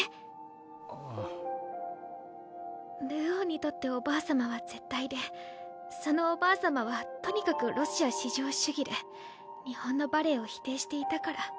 流鶯にとっておばあ様は絶対でそのおばあ様はとにかくロシア至上主義で日本のバレエを否定していたから。